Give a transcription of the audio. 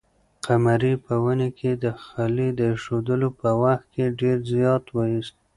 قمرۍ په ونې کې د خلي د اېښودلو په وخت کې ډېر زیار وایست.